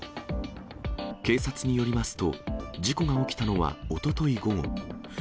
警察によりますと、事故が起きたのはおととい午後。